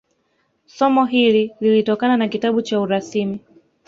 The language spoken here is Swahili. Somo hili lilitokana na kitabu cha urasimi